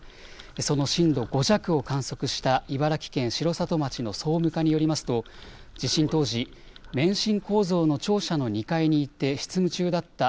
その震度５弱を観測した茨城県城里町の総務課によりますと地震当時、免震構造の庁舎の２階に行って執務中だった。